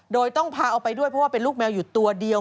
โดยต้องพาเอาไปด้วยเพราะว่าเป็นลูกแมวอยู่ตัวเดียว